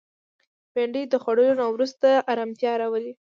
بېنډۍ د خوړلو نه وروسته ارامتیا راولي